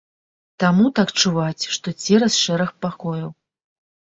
Таму так чуваць, што цераз шэраг пакояў.